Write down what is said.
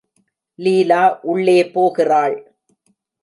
லீலா உள்ளே போகிறாள்.